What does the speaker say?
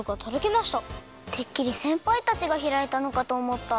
てっきりせんぱいたちがひらいたのかとおもった。